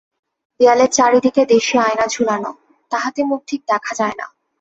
দেয়ালের চারিদিকে দেশী আয়না ঝুলানো, তাহাতে মুখ ঠিক দেখা যায় না।